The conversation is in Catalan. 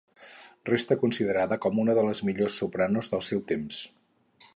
Restà considerada com una de les millors sopranos del seu temps.